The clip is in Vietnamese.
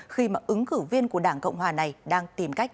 khi mà ứng cử viên của đảng cộng hòa này đang tìm cách